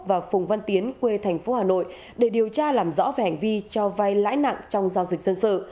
và phùng văn tiến quê thành phố hà nội để điều tra làm rõ về hành vi cho vay lãi nặng trong giao dịch dân sự